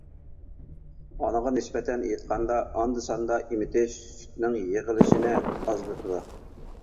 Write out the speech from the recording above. ئانىغا نىسبەتەن ئېيتقاندا، ئاندا-ساندا ئېمىتىش سۈتنىڭ يىغىلىشىنى ئازلىتىدۇ.